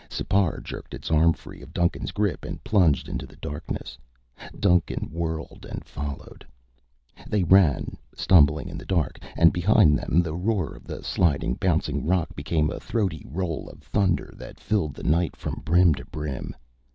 Sipar jerked its arm free of Duncan's grip and plunged into the darkness. Duncan whirled and followed. They ran, stumbling in the dark, and behind them the roar of the sliding, bouncing rock became a throaty roll of thunder that filled the night from brim to brim.